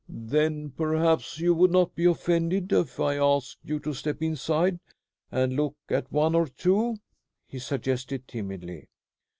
"Then perhaps you would not be offended if I asked you to step inside and look at one or two," he suggested timidly.